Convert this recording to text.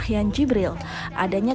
kali nakjs didn't kua conflict terminance